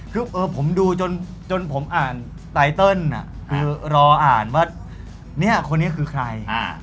คือผมดูจนผมอ่านไตเติลคือรออ่านว่าเนี่ยคนนี้คือใคร